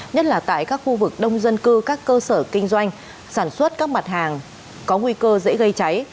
nhất là tại các khu vực đông dân cư các cơ sở kinh doanh sản xuất các mặt hàng có nguy cơ dễ gây cháy